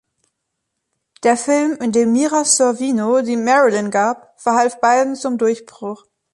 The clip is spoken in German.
Der Film, in dem Mira Sorvino die „Marilyn“ gab, verhalf beiden zum Durchbruch.